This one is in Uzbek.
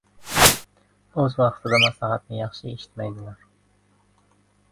• O‘z vaqtida maslahatni yaxshi eshitmaydilar.